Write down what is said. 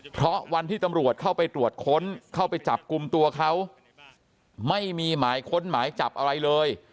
เพราะวันที่ตำรวจเข้าไปตรวจค้นเข้าไปจับกลุ่มตัวเขาไม่มีหมายค้นหมายจับอะไรเลย